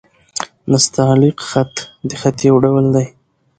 نستعلیق خط؛ د خط يو ډول دﺉ.